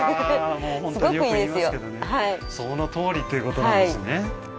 そのとおりっていうことなんですね